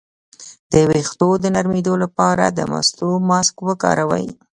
د ویښتو د نرمیدو لپاره د مستو ماسک وکاروئ